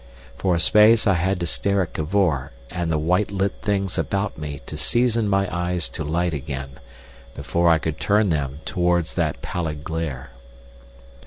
For a space I had to stare at Cavor and the white lit things about me to season my eyes to light again, before I could turn them towards that pallid glare.